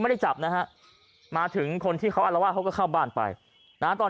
ไม่ได้จับนะฮะมาถึงคนที่เขาอารวาสเขาก็เข้าบ้านไปนะตอน